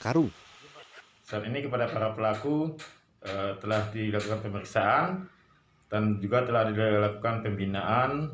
saat ini kepada para pelaku telah dilakukan pemeriksaan dan juga telah dilakukan pembinaan